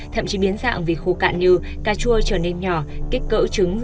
thậm chí biến dạng vì khô cạn như cà chua trở nên nhỏ